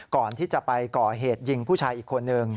ก่อนที่จะไปก่อเหตุยิงผู้ชายอีกคนนึง